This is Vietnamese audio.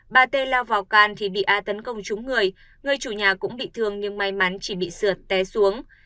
bà t lao vào can thì bị a tấn công trúng người người chủ nhà cũng bị thương nhưng may mắn chỉ bị sượt té xuống